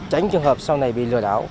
tránh trường hợp sau này bị lừa đảo